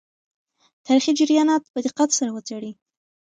تاریخي جریانات په دقت سره وڅېړئ.